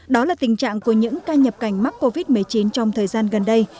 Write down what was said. đó là tình trạng của những ca nhập cảnh mắc covid một mươi chín trong thời gian gần đây